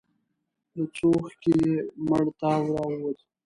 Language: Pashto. له څوښکي يې مړ تاو راووت.